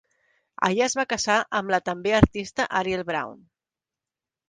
Allà es va casar amb la també artista Ariel Brown.